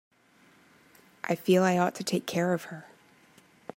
I feel I ought to take care of her.